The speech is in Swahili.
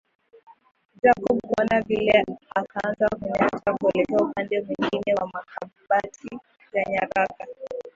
Jacob kuona vile akaanza kunyata kuelekea upande mwingine wa makabati ya nyaraka